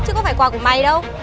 chứ không phải quà của mày đâu